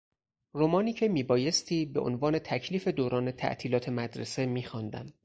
رمانی که میبایستی به عنوان تکلیف دوران تعطیلات مدرسه میخواندم